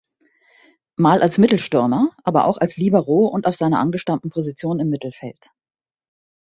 Mal als Mittelstürmer, aber auch als Libero und auf seiner angestammten Position im Mittelfeld.